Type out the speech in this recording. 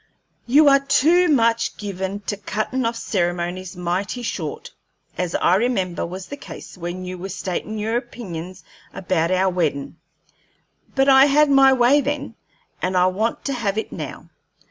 You are too much given to cuttin' off ceremonies mighty short, as I remember was the case when you were statin' your 'pinions about our weddin'; but I had my way then, and I want to have it now.